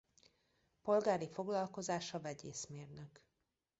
Polgári foglalkozása vegyészmérnök.